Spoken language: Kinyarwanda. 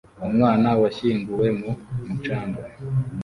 Umwana washyinguwe mu mucanga